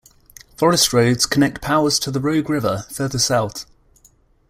Forest roads connect Powers to the Rogue River, further south.